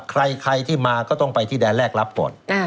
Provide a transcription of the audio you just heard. ใครที่มาก็ต้องไปที่แดนแรกรับก่อน